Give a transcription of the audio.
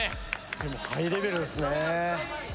でもハイレベルですね